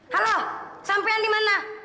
halo sampein dimana